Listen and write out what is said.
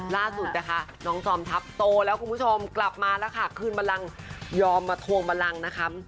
ล่าสุดนะคะน้องจอมทัพโตแล้วคุณผู้ชมกลับมาแล้วค่ะคืนบันลังยอมมาทวงบันลังนะคะ